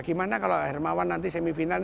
gimana kalau hermawan nanti semifinal